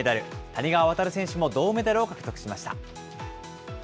谷川航選手も銅メダルを獲得しました。